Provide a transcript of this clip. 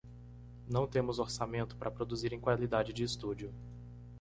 Não temos orçamento para produzir em qualidade de estúdio.